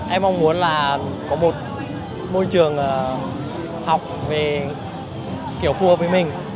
em mong muốn là có một môi trường học về kiểu phù hợp với mình